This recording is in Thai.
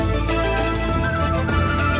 ตอนต่อไป